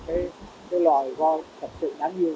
cái loài voi thật sự đáng yêu